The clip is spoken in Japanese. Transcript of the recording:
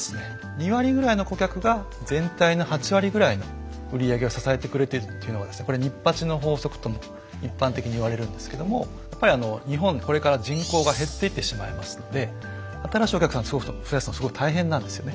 ２割ぐらいの顧客が全体の８割ぐらいの売上を支えてくれているというのはこれニッパチの法則とも一般的に言われるんですけどもやっぱり日本これから人口が減っていってしまいますので新しいお客さんを増やすのはすごい大変なんですよね。